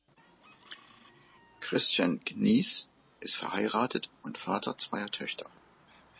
Christian Knees ist verheiratet und Vater zweier Töchter.